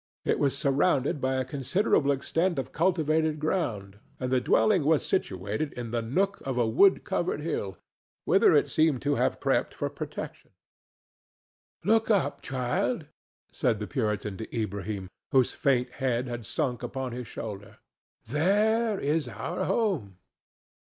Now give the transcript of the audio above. It was surrounded by a considerable extent of cultivated ground, and the dwelling was situated in the nook of a wood covered hill, whither it seemed to have crept for protection. "Look up, child," said the Puritan to Ilbrahim, whose faint head had sunk upon his shoulder; "there is our home."